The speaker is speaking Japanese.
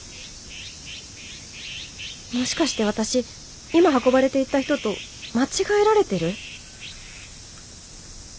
もしかして私今運ばれていった人と間違えられてる？